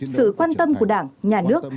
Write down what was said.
sự quan tâm của đảng nhà nước